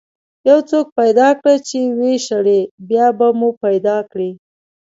یو څوک پیدا کړه چې ويې شړي، بیا به مو پیدا کړي.